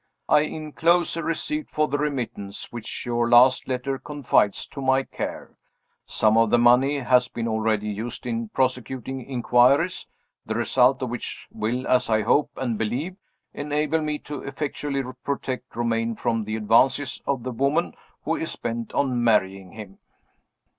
_ I inclose a receipt for the remittance which your last letter confides to my care. Some of the money has been already used in prosecuting inquiries, the result of which will, as I hope and believe, enable me to effectually protect Romayne from the advances of the woman who is bent on marrying him.